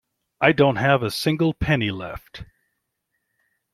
I don't have a single penny left.